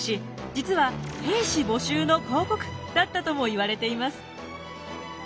実は兵士募集の広告だったともいわれています。